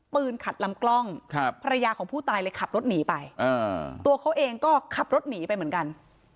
ขัดลำกล้องภรรยาของผู้ตายเลยขับรถหนีไปตัวเขาเองก็ขับรถหนีไปเหมือนกัน